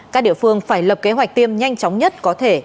các địa phương phải lập kế hoạch tiêm nhanh chóng nhất có thể